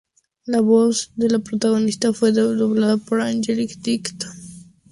La voz de la protagonista fue doblada por Angie Dickinson.